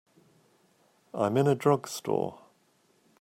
I'm in a drugstore.